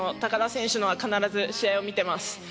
田選手のは必ず試合を見てます。